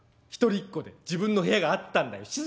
一人っ子で自分の部屋があったんだよ。